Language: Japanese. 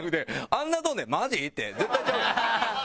あんなトーンで「マジ？」って絶対ちゃうやん。